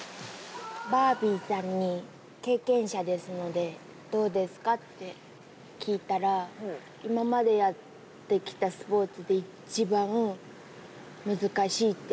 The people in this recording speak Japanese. バービーさんに、経験者ですので、どうですか？って聞いたら、今までやってきたスポーツで一番難しいって。